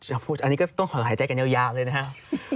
พูดอันนี้ก็ต้องขอหายใจกันยาวเลยนะครับ